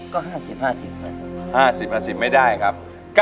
ก็ห้าสิบห้าสิบห้าสิบห้าสิบห้าสิบไม่ได้ครับ